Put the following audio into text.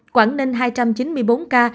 quảng ninh hai trăm chín mươi bốn ca